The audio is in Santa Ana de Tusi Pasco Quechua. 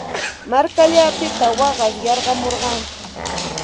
Markallaapita waqar yarqamurqaa.